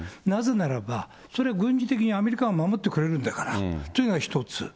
なぜならば、それは軍事的にアメリカは守ってくれるんだからというのが一つ。